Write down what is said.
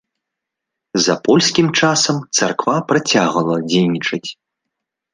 За польскім часам царква працягвала дзейнічаць.